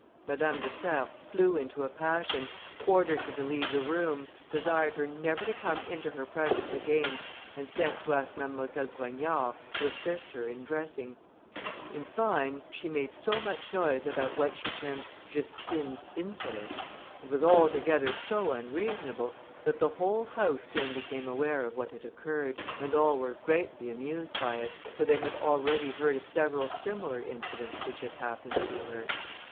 Madame de Serres flew into a passion; ordered her to leave the room; desired her never to come into her presence again, and sent to ask Mademoiselle Brogniard to assist her in dressing; in fine, she made so much noise about what she termed Justine's insolence, and was altogether so unreasonable, that the whole house soon became aware of what had occurred, and all were greatly amused by it, for they had already heard of several similar incidents which had happened to her.